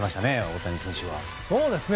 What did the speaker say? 大谷選手は。